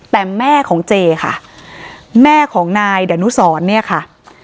แต่แม่ของเจค่ะแม่ของนายดานุสรเนี่ยค่ะ